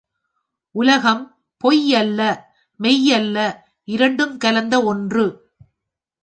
உலகம் பொய் அல்ல, மெய் அல்ல இரண்டும் கலந்த ஒன்று.